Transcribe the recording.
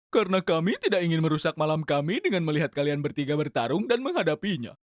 karena kami tidak ingin merusak malam kami dengan melihat kalian bertiga bertarung dan menghadapinya